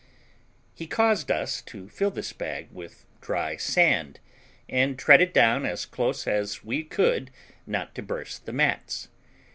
He caused us to fill this bag with dry sand and tread it down as close as we could, not to burst the mats.